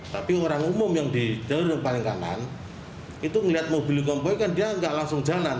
tapi orang umum yang di jalur yang paling kanan itu ngeliat mobil konvoy kan dia nggak langsung jalan